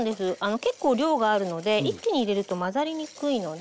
結構量があるので一気に入れると混ざりにくいので。